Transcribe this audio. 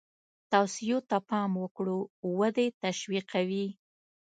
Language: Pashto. توصیو ته پام وکړو ودې تشویقوي.